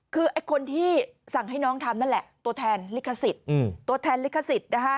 คือคนที่สั่งให้น้องทำนั่นแหละตัวแทนลิขสิทธิ์